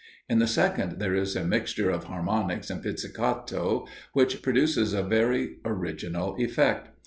In the second there is a mixture of harmonics and pizzicato which produces a very original effect.